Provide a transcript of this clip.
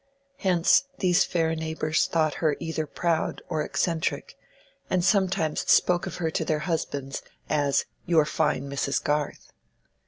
Hence these fair neighbors thought her either proud or eccentric, and sometimes spoke of her to their husbands as "your fine Mrs. Garth."